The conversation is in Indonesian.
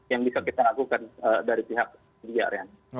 yang bisa kita lakukan dari pihak tiga rean